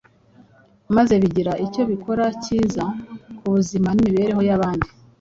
maze bigira icyo bikora cyiza ku buzima n’imibereho by’abandi,